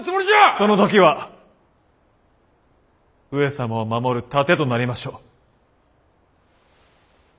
その時は上様を守る盾となりましょう。